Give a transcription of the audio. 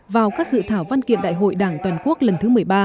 vào các dự thảo văn kiện đại hội đảng toàn quốc lần thứ một mươi ba